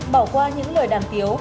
bỏ qua những lời đàn tiếu